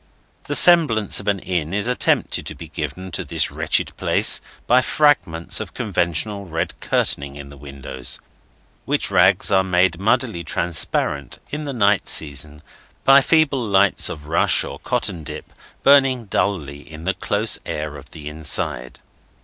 The semblance of an inn is attempted to be given to this wretched place by fragments of conventional red curtaining in the windows, which rags are made muddily transparent in the night season by feeble lights of rush or cotton dip burning dully in the close air of the inside.